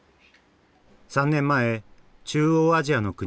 ３年前中央アジアの国